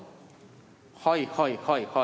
はいはいはいはい。